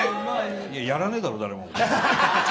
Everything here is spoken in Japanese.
やらねえだろ、誰も。